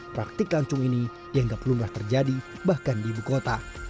praktik lancung ini yang gak pelumrah terjadi bahkan di ibu kota